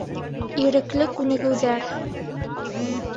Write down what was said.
Ирекле күнегеүҙәр